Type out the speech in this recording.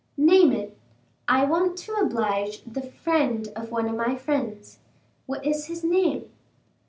"Name it." "I want to oblige the friend of one of my friends." "What's his name?"